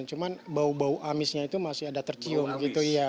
cuma bau bau amisnya itu masih ada tercium gitu ya